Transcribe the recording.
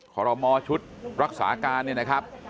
ขอรมอชุดรักษาการเนี่ยนะครับ